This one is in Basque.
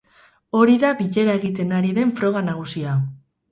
Hori da bilera egiten ari den froga nagusia.